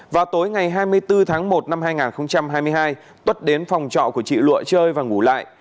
vào tối ngày hai mươi bốn tháng một năm hai nghìn hai mươi hai tuất đến phòng trọ của chị lụa chơi và ngủ lại